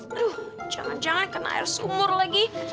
aduh jangan jangan kena air sumur lagi